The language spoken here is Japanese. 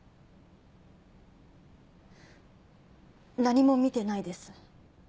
何も見てないです。